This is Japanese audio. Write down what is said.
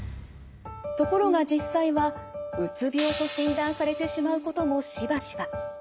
ところが実際はうつ病と診断されてしまうこともしばしば。